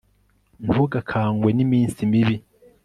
ntugakangwe n'iminsi mibi